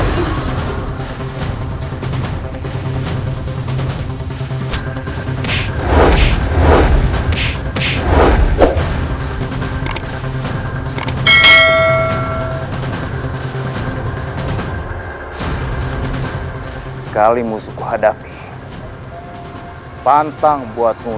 terima kasih tp m keyboard